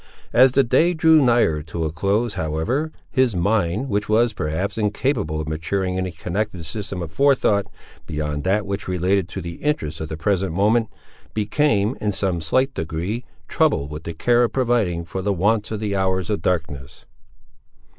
As the day drew nigher to a close, however, his mind, which was, perhaps, incapable of maturing any connected system of forethought, beyond that which related to the interests of the present moment, became, in some slight degree, troubled with the care of providing for the wants of the hours of darkness.